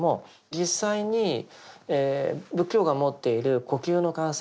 実際に仏教が持っている呼吸の観察